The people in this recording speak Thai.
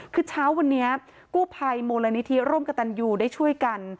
คือเช้าวันนี้กู้ภัยมูลนิธิร่มกระตันยูได้ช่วยกัน